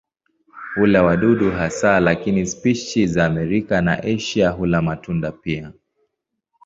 Hula wadudu hasa lakini spishi za Amerika na Asia hula matunda pia.